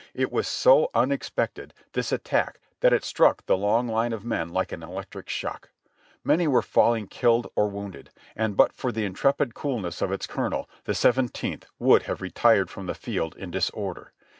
It was so un expected, this attack, that it struck the long line of men like an electric shock. Many were falHng killed or wounded, and but for the intrepid coolness of its colonel, the Seventeenth would have retired from the field in disorder.